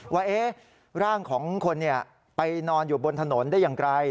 ว่าร่างของคนไปนอนอยู่บนถนนได้อย่างไร